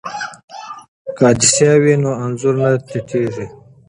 که عدسیه وي نو انځور نه تتېږي.